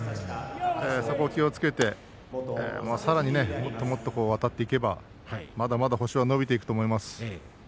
そこを気をつけて、さらにもっともっとあたっていけばまだまだ星は伸びていくと思います。